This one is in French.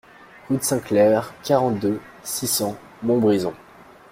Rue de Sainte-Claire, quarante-deux, six cents Montbrison